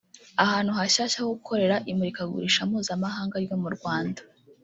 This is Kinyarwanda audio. ahantu hashyashya ho gukorera imurikagurisha mpuzamahanga ryo mu Rwanda